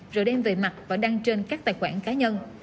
rồi đem về mặt và đăng trên các tài khoản cá nhân